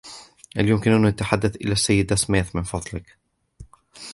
هل يمكنني التحدث إلى السيدة سميث ، من فضلك؟